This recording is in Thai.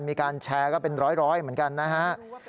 มีการแชร์ก็เป็นร้อยเหมือนกันนะฮะ